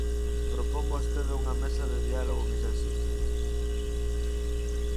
Propón vostede unha mesa de diálogo que xa existe.